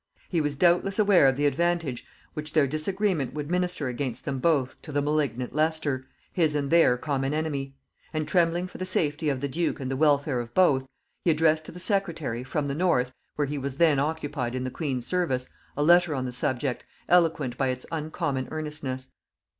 He was doubtless aware of the advantage which their disagreement would minister against them both to the malignant Leicester, his and their common enemy; and trembling for the safety of the duke and the welfare of both, he addressed to the secretary, from the north, where he was then occupied in the queen's service, a letter on the subject, eloquent by its uncommon earnestness.